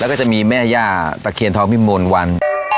แล้วก็จะมีแม่ย่าตะเคียนทองพิมลวัน